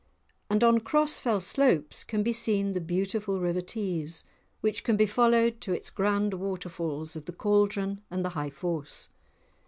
And on Cross Fell slopes can be seen the beautiful River Tees, which can be followed to its grand waterfalls of the the Cauldron and the High Force.